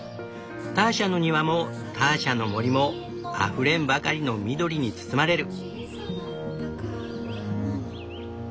ターシャの庭もターシャの森もあふれんばかりの緑に包まれる。